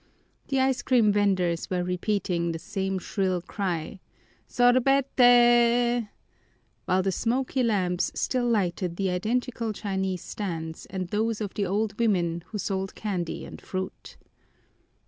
The ice cream venders were repeating the same shrill cry, "Sorbeteee!" while the smoky lamps still lighted the identical Chinese stands and those of the old women who sold candy and fruit.